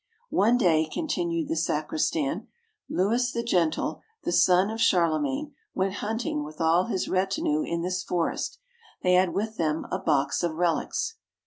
"One day," continued the sacristan, "Louis the Gentle, the son of Charlemagne, went hunting with all his retinue in this forest. They had with them a box of relics."